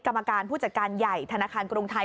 กรรมการผู้จัดการใหญ่ธนาคารกรุงไทย